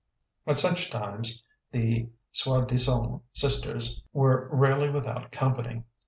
At such times the soi disant sisters were rarely without company.